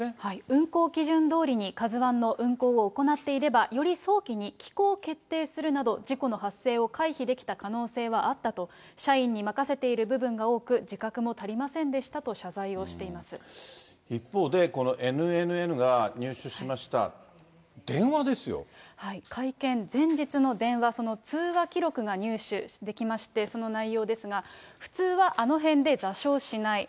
運航基準どおりにカズワンの運航を行っていれば、より早期に帰港決定するなど、事故の発生を回避できた可能性はあったと、社員に任せている部分が多く、自覚も足りませんでしたと謝罪をし一方で、このＮＮＮが入手し会見前日の電話、その通話記録が入手できまして、その内容ですが、普通はあの辺で座礁しない。